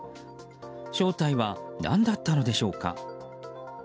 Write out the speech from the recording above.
正体は何だったのでしょうか。